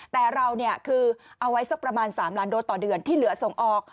แต่เราคือเอาไว้สักประมาณ๓ล้านโดสต่อเดือนที่เหลือส่งออก